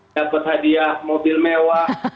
dapat hadiah mobil mewah